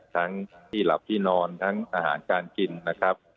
ที่หลับที่นอนทั้งอาหารการกินนะครับ